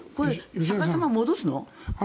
逆さまに戻すの？